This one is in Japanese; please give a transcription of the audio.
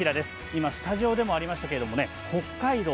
今スタジオでもありましたけれど北海道